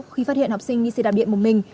khi phát hiện học sinh đi xe đạp điện một mình